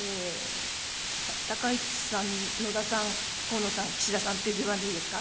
高市さん、野田さん、河野さん、岸田さんっていう順番でいいですか。